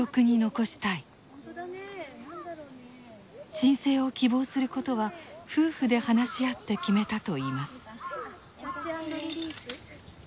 鎮静を希望することは夫婦で話し合って決めたといいます。